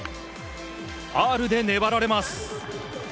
ファウルで粘られます。